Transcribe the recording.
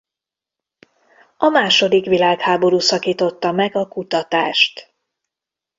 A második világháború szakította meg a kutatást.